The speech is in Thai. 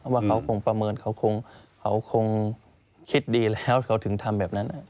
ว่าเขาคงประเมินเขาคงคิดดีแล้วเขาถึงทำแบบนั้น